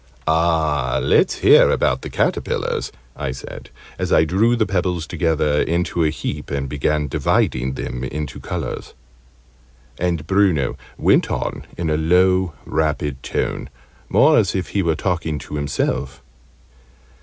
"Ah, let's hear about the caterpillars," I said, as I drew the pebbles together into a heap and began dividing them into colours. And Bruno went on in a low, rapid tone, more as if he were talking to himself.